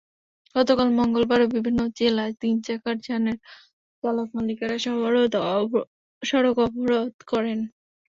গতকাল মঙ্গলবারও বিভিন্ন জেলায় তিন চাকার যানের চালক-মালিকেরা সড়ক অবরোধ করেন।